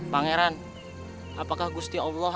pangeran apakah gusti allah